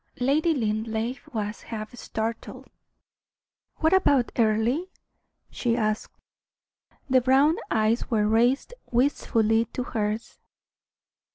Lady Linleigh was half startled. "What about Earle?" she asked. The brown eyes were raised wistfully to hers.